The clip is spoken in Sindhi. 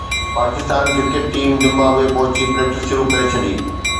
پاڪستان ڪرڪيٽ ٽيم زمبابوي پهچي پريڪٽس شروع ڪري ڇڏي